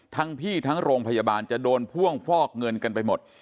พี่ทั้งโรงพยาบาลจะโดนพ่วงฟอกเงินกันไปหมด